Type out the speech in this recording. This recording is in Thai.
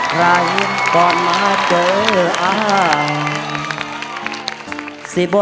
ขอบคุณนะครับ